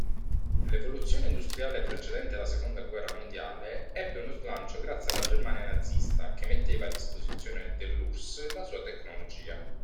L'evoluzione industriale precedente la seconda guerra mondiale, ebbe uno slancio grazie alla Germania Nazista che metteva a disposizione dell'URSS la sua tecnologia.